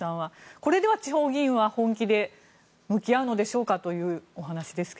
これでは地方議員は本気で向き合うのでしょうかというお話ですが。